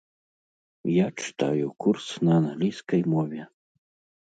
Я чытаю курс на англійскай мове.